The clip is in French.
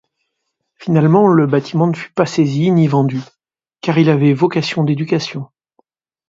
Finalement, le bâtiment ne fut pas saisi ni vendu car il avait vocation d'éducation.